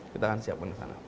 kita akan siapkan di sana